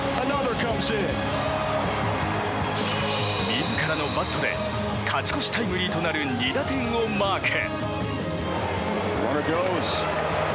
自らのバットで勝ち越しタイムリーとなる２打点をマーク。